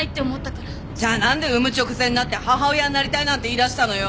じゃあなんで産む直前になって母親になりたいなんて言い出したのよ！？